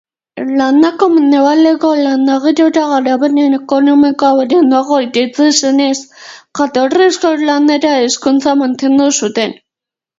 Irlandako mendebaldeko landa girora garapen ekonomikoa beranduago iritsi zenez, jatorrizko irlandera hizkuntza mantendu zuten.